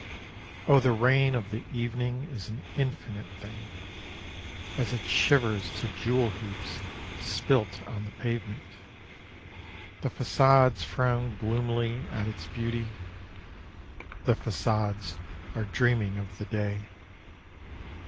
O the rain of the evening is an infinite thing, As it shivers to jewel heaps spilt on the pavement. The façades frown gloomily at its beauty, The façades are dreaming of the day.